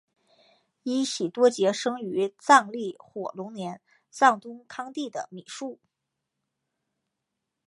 依喜多杰生于藏历火龙年藏东康地的米述。